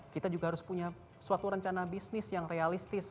kita juga harus punya suatu rencana bisnis yang realistis